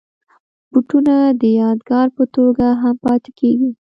بوټونه د یادګار په توګه هم پاتې کېږي.